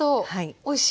おいしい。